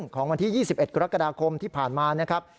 ของวันที่๒๑กรกฎาคมที่ผ่านมานะครับ